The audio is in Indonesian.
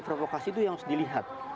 provokasi itu yang harus dilihat